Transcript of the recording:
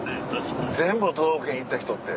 全部の都道府県行った人って。